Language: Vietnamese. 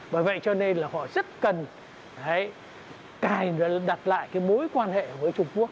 và vậy cho nên là họ rất cần cài đặt lại mối quan hệ với trung quốc